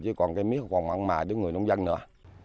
chứ mía còn mạng mài đến người nông dân nữa